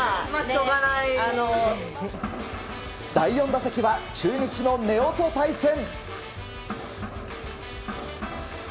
第４打席は中日の根尾と対戦。